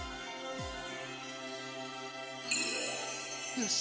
よし。